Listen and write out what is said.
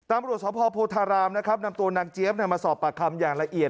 ตำรวจสพโพธารามนะครับนำตัวนางเจี๊ยบมาสอบปากคำอย่างละเอียด